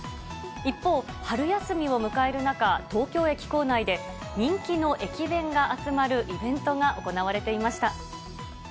一方、春休みを迎える中、東京駅構内で、人気の駅弁が集まるイベントが行われていました。